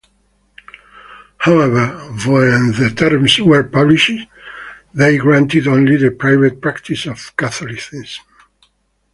However, when the terms were published, they granted only the private practice of Catholicism.